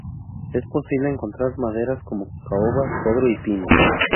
Es posible encontrar maderas como caoba, cedro y pino.